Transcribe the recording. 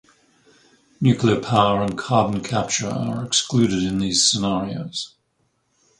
Nuclear power and carbon capture are excluded in these scenarios.